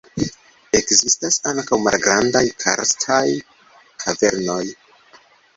Ekzistas ankaŭ malgrandaj karstaj kavernoj.